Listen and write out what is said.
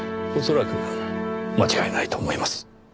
恐らく間違いないと思います。